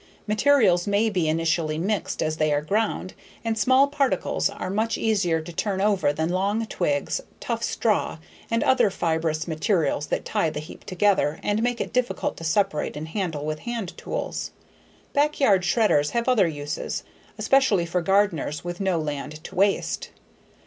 Materials may be initially mixed as they are ground and small particles are much easier to turn over than long twigs, tough straw, and other fibrous materials that tie the heap together and make it difficult to separate and handle with hand tools. Backyard shredders have other uses, especially for gardeners with no land to waste.